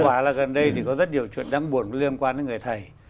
quả là gần đây thì có rất nhiều chuyện đáng buồn liên quan đến người thầy